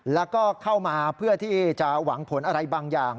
แล้วก็เข้ามาเพื่อที่จะหวังผลอะไรบางอย่าง